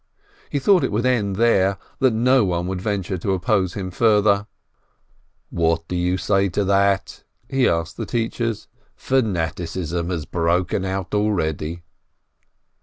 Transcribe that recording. He thought it would end there, that no one would venture to oppose him further. "What do you say to that?" he asked the teachers. "Fanaticism has broken out already